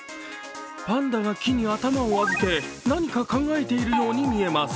パンダが木に頭を預け、何か考えているように見えます。